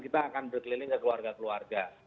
kita akan berkeliling ke keluarga keluarga